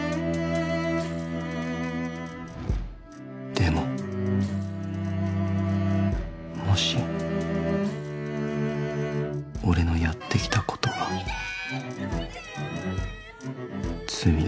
でももし俺のやってきたことがいきんで！